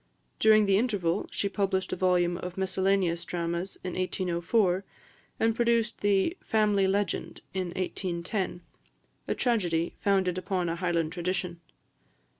During the interval, she published a volume of miscellaneous dramas in 1804, and produced the "Family Legend" in 1810, a tragedy, founded upon a Highland tradition.